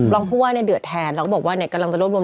ผู้ว่าเนี่ยเดือดแทนเราก็บอกว่าเนี่ยกำลังจะรวบรวม